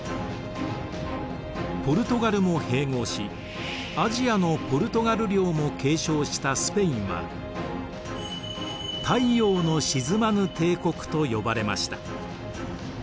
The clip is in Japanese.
ポルトガルも併合しアジアのポルトガル領も継承したスペインは「太陽の沈まぬ帝国」と呼ばれました。